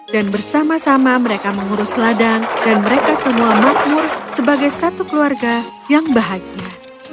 dan bersama sama mereka mengurus ladang dan mereka semua makmur sebagai satu keluarga yang bahagia